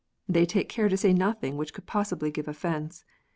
They take care to say nothing which could possibly give offence.